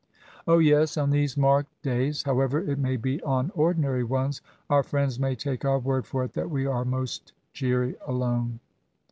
O yes } on these marked days, however it may be on ordinary ones, our friends may take our word for it that we are most cheery alone.